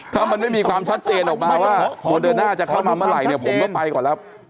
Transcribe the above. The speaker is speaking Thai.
ถ้ามันไม่มีความชัดเจนออกมาว่าโมเดอร์น่าจะเข้ามาเมื่อไหร่เนี่ยผมก็ไปก่อนแล้ว